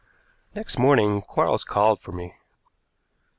Next morning Quarles called for me.